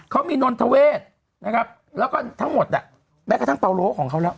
เขามีนนทเวศนะครับแล้วก็ทั้งหมดแม้กระทั่งเปาโลของเขาแล้ว